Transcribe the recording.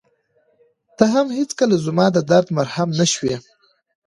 ته هم هېڅکله زما د درد مرهم نه شوې.